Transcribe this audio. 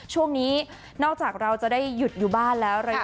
ช่วงนี้นอกจากเราจะได้หยุดอยู่บ้านแล้วระยะ